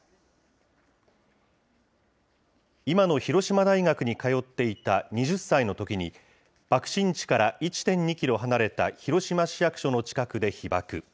今の広島大学に通っていた２０歳のときに、爆心地から１．２キロ離れた広島市役所の近くで被爆。